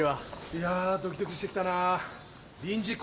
いやぁドキドキしてきたなぁ。